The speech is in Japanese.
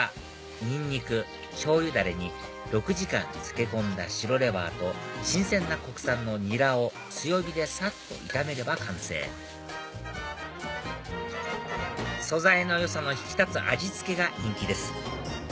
ニンニクしょうゆダレに６時間漬け込んだ白レバーと新鮮な国産のニラを強火でさっと炒めれば完成素材のよさの引き立つ味付けが人気です